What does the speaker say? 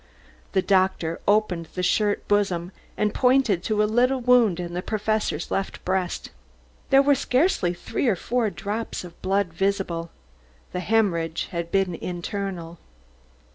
The doctor opened the shirt bosom and pointed to a little wound in the Professor's left breast. There were scarcely three or four drops of blood visible. The hemorrhage had been internal.